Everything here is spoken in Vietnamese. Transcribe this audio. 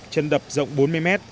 chân đập rộng bốn mươi m